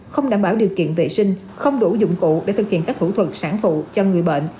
không đảm bảo điều kiện vệ sinh không đủ dụng cụ để thực hiện các thủ thuật sản phụ cho người bệnh